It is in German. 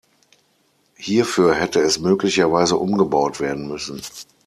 Hierfür hätte es möglicherweise umgebaut werden müssen.